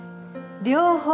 両方？